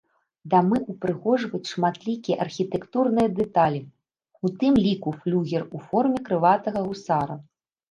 Дамы ўпрыгожваюць шматлікія архітэктурныя дэталі, у тым ліку флюгер у форме крылатага гусара.